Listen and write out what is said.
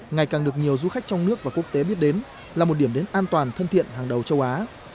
ngày càng được nhiều du khách trong nước và quốc tế biết đến là một điểm đến an toàn thân thiện hàng đầu châu á